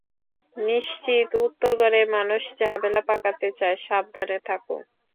নিশ্চিত, উত্তরগড়ের মানুষ ঝামেলা পাকাতে চায়, সাবধানে থাকো।